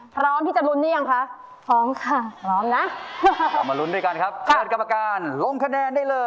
พร้อมที่จะลุ้นรึยังคะพร้อมค่ะพร้อมนะ